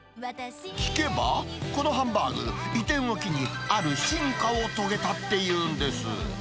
聞けば、このハンバーグ、移転を機に、ある進化を遂げたっていうんです。